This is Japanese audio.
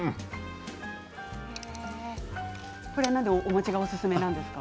なんでお餅がおすすめなんですか？